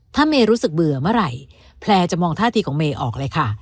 ถ้าเมย์รู้สึกเบื่อเมื่อไหร่แพลร์จะมองท่าทีของเมย์ออกเลยค่ะ